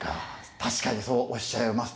確かにそうおっしゃいました。